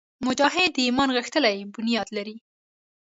مجاهد د ایمان غښتلی بنیاد لري.